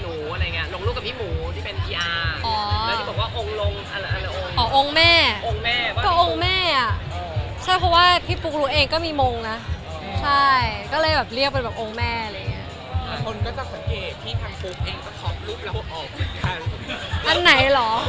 แล้วก็ไม่ลงลูกคู่กับเราเลยแต่ลงลูกคู่กับยาย่าลูกกับคนอื่นอย่างนี้